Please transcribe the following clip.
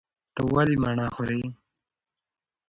ته ولې مڼه خورې؟